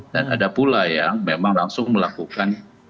dan ada pula yang memang langsung melakukan